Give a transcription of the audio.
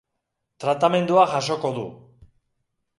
Tratamendua jasoko du.